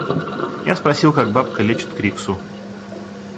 Я спросил, как бабка лечит криксу.